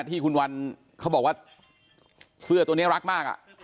ที่คุณวันเขาบอกว่าเสื้อตัวนี้รักมาก